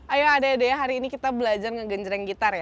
ayo ade ade hari ini kita belajar ngegenjreng gitar ya